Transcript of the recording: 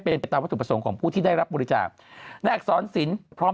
เป็นตัวสุดประสงค์ของผู้ที่ได้รับบริจาคและอักษรสินพร้อม